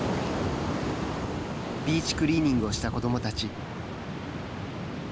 ビーチクリーニングをした子どもたち。